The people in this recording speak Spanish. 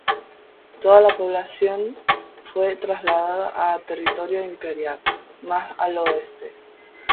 Toda la población fue trasladada a territorio imperial, más al oeste.